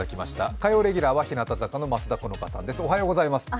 火曜レギュラーは日向坂の松田好花さんです。